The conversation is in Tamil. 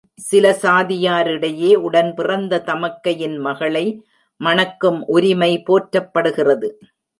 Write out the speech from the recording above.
சில சாதியாரிடையே உடன்பிறந்த தமக்கையின் மகளை மணக்கும் உரிமை போற்றப்படுகிறது.